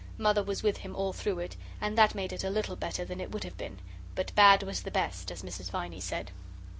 Mother was with him all through it, and that made it a little better than it would have been, but "bad was the best," as Mrs. Viney said.